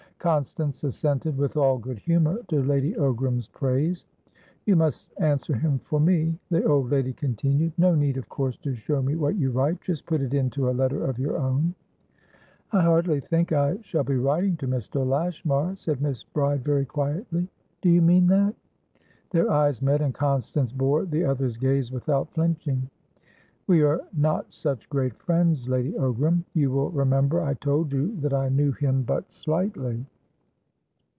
Constance assented with all good humour to Lady Ogram's praise. "You must answer him for me," the old lady continued. "No need, of course, to show me what you write; just put it into a letter of your own." "I hardly think I shall be writing to Mr. Lashmar," said Miss Bride, very quietly. "Do you mean that?" Their eyes met, and Constance bore the other's gaze without flinching. "We are not such great friends, Lady Ogram. You will remember I told you that I knew him but slightly."